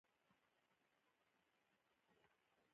د دوی دنده د بې ګټو پانګو راټولول دي